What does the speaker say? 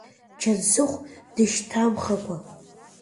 Џьансыхә дышьҭамхакәа…